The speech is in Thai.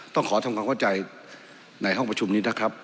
ต้องขอทำความเข้าใจในห้องประชุมนี้นะครับ